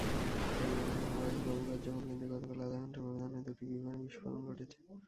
থাইল্যান্ডের Hua Hin অবকাশযাপন কেন্দ্রে গতকাল আধা ঘণ্টার ব্যবধানে দুটি বোমার বিস্ফোরণ ঘটেছে।